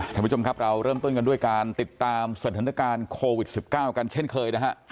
ท่านผู้ชมครับเราเริ่มต้นกันด้วยการติดตามสถานการณ์โควิด๑๙กันเช่นเคยนะฮะ